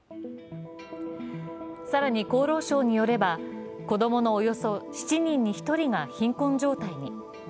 更に厚労省によれば、子供のおよそ７人に１人が貧困状態に。